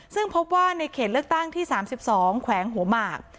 ซึ่งพบว่าในเขตเลือกตั้งที่๓๒แขวงหัวหมาก